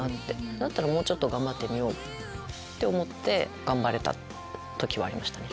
だったらもうちょっと頑張ってみよう！って思って頑張れた時はありましたね。